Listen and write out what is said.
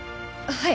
はい